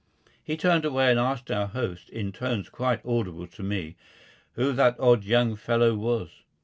He turned away and asked our host, in tones quite audible to me, who that odd young fellow was.